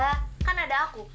kan ada aku